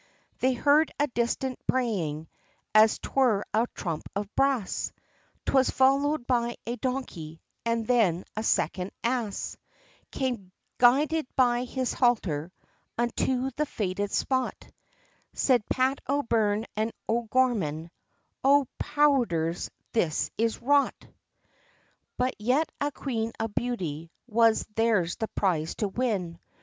They heard a distant braying, as 'twere a trump of brass, 'Twas followed by a donkey, and then a second ass, Came guided by his halter, unto the fated spot, Said Pat O'Byrne and O'Gorman, "O, powdhers, this is rot!" But yet a queen of beauty was their's the prize to win.